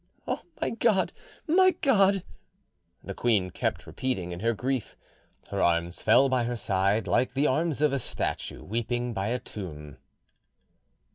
"O my God, my God!" the queen kept repeating in her grief: her arms fell by her side, like the arms of a statue weeping by a tomb.